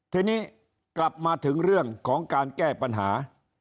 ทีนี้กลับมาถึงเรื่องของการแก้ปัญหา